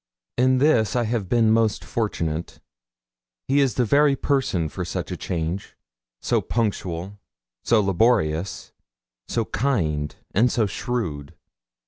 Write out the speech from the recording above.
In this I have been most fortunate. He is the very person for such a charge so punctual, so laborious, so kind, and so shrewd.